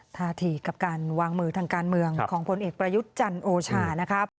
ท่าทีกับการวางมือทางการเมืองของพลเอกประยุทธ์จันทร์โอชานะครับ